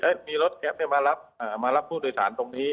แล้วมีรถแก๊ปมารับผู้โดยสารตรงนี้